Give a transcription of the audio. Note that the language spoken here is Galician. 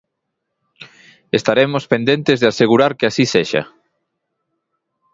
Estaremos pendentes de asegurar que así sexa.